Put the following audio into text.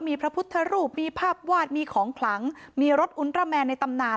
มีพระพุทธรูปมีภาพวาดมีของขลังมีรถอุนตราแมนในตำนาน